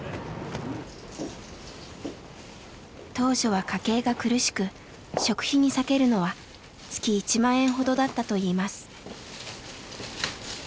当初は家計が苦しく食費に割けるのは月１万円ほどだったといいます。